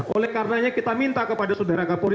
oleh karenanya kita minta kepada saudara kapolri